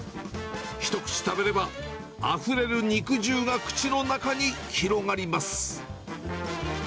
一口食べれば、あふれる肉汁が口の中に広がります。